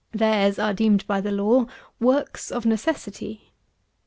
Theirs are deemed by the law works of necessity.